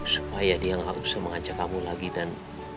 supaya dia gak bisa mengajak kamu lagi dan